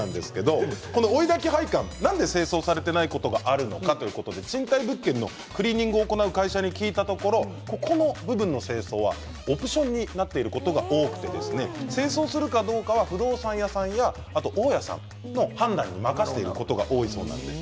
この追いだき配管なんで清掃されていないことがあるのかということで賃貸物件のクリーニングを行う会社に聞いたところ、ここの部分の清掃はオプションになっていることが多くて清掃するかどうかは不動産屋さんや大家さんの判断に任せていることが多いそうなんです。